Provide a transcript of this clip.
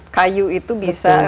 kayu itu bisa